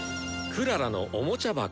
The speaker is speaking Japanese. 「クララのおもちゃ箱」。